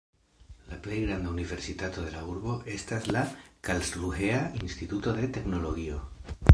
La plej granda universitato de la urbo estas la Karlsruhea Instituto de Teknologio.